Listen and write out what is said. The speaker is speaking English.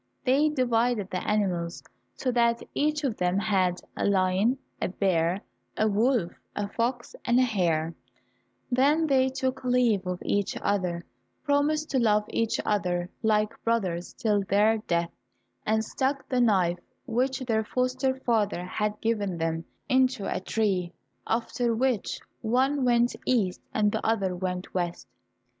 They divided the animals, so that each of them had a lion, a bear, a wolf, a fox, and a hare, then they took leave of each other, promised to love each other like brothers till their death, and stuck the knife which their foster father had given them, into a tree, after which one went east, and the other went west.